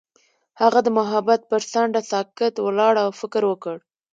هغه د محبت پر څنډه ساکت ولاړ او فکر وکړ.